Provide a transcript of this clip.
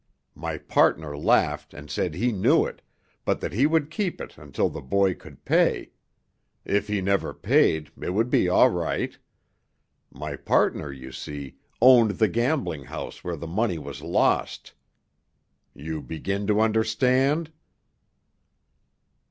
My partner laughed and said he knew it, but that he would keep it until the boy could pay—if he never paid, it would be all right. My partner, you see, owned the gambling house where the money was lost. You begin to understand?"